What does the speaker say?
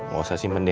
gak usah simpen den